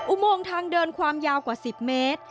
อุโมงทางเดินความยาวกว่า๑๐เมตร